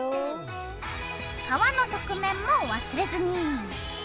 皮の側面も忘れずに。